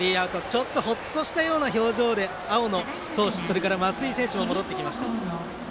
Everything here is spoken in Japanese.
ちょっとほっとしたような表情で青野投手、それから松井選手も戻ってきました。